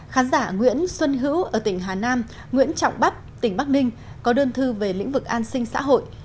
khán giả nguyễn xuân hữu ở tỉnh hà nam nguyễn trọng bắp tỉnh bắc ninh có đơn thư về lĩnh vực an sinh xã hội